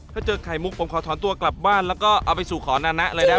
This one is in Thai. ถ้าเจอไข่มุกผมขอถอนตัวกลับบ้านแล้วก็เอาไปสู่ขอนานะเลยนะครับ